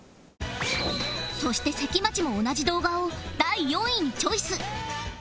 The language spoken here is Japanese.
そして関町も同じ動画を第４位にチョイス